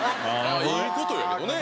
いい事やけどね。